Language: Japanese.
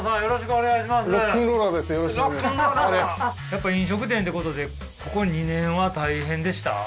やっぱ飲食店ってことでここ２年は大変でした？